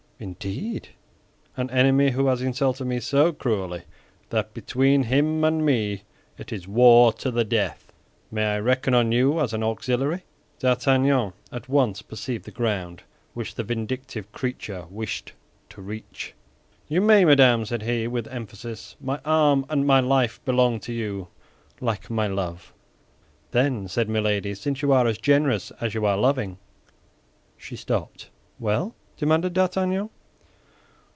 "Indeed!" "An enemy who has insulted me so cruelly that between him and me it is war to the death. May I reckon on you as an auxiliary?" D'Artagnan at once perceived the ground which the vindictive creature wished to reach. "You may, madame," said he, with emphasis. "My arm and my life belong to you, like my love." "Then," said Milady, "since you are as generous as you are loving—" She stopped. "Well?" demanded D'Artagnan.